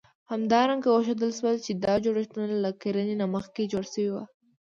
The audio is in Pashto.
همدارنګه وښودل شول، چې دا جوړښتونه له کرنې نه مخکې جوړ شوي وو.